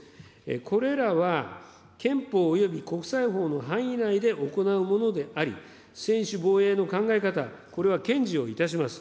これらは、憲法および国際法の範囲内で行うものであり、専守防衛の考え方、これは堅持をいたします。